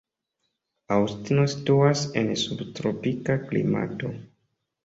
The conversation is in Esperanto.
Aŭstino situas en subtropika klimato.